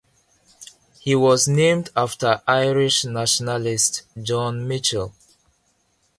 He was named after Irish nationalist John Mitchel.